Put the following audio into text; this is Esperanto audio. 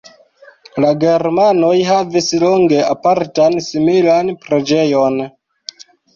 La germanoj havis longe apartan similan preĝejon.